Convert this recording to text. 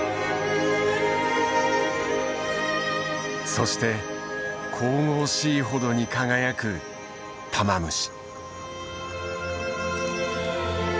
そして神々しいほどに輝くタマムシ。